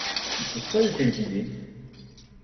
Pourquoi de telles idées ?